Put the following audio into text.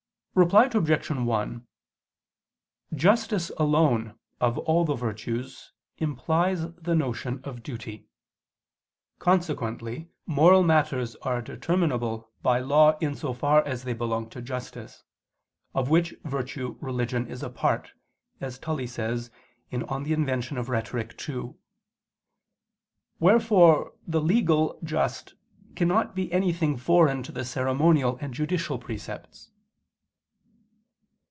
Reply Obj. 1: Justice alone, of all the virtues, implies the notion of duty. Consequently moral matters are determinable by law in so far as they belong to justice: of which virtue religion is a part, as Tully says (De Invent. ii). Wherefore the legal just cannot be anything foreign to the ceremonial and judicial precepts.